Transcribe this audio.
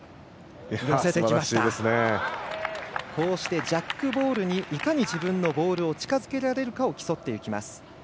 こうしてジャックボールにいかに自分のボールを近づけられるかを競っていきます。